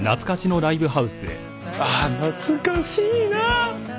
ああ懐かしいな！